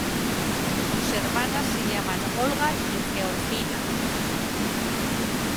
Sus hermanas se llaman Olga y Georgina.